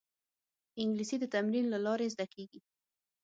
انګلیسي د تمرین له لارې زده کېږي